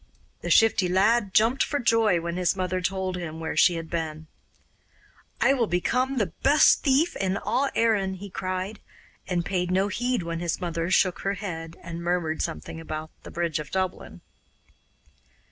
The Shifty Lad jumped for joy when his mother told him where she had been. 'I will become the best thief in all Erin!' he cried, and paid no heed when his mother shook her head and murmured something about 'the bridge of Dublin.